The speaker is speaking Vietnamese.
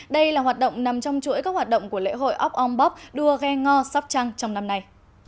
đây là hoạt động nằm trong chuỗi các hoạt động của lễ hội ốc ong bóp đua ghe ngò sóc trăng trong năm nay